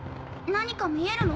何か見えるの？